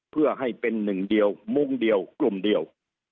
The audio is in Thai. เพื่อให้เป็นหนึ่งเดียวมุ่งเดียวกลุ่มเดียว